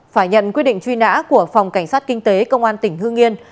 phải nhận quyết định truy nã của phòng cảnh sát kinh tế công an tỉnh hương yên